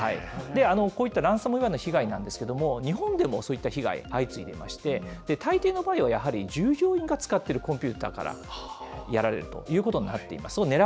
こういったランサムウエアのような被害なんですけれども、日本でもそういった被害相次いでいまして、たいていの場合は、従業員が使っているコンピューターからやられるということになっています。